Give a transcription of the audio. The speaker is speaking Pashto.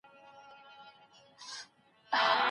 بهرني مشران کله مجلس ته راځي؟